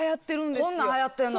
こんなん流行ってんの？